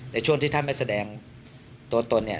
ในช่วงที่ท่านไม่แสดงตัวตนเนี่ย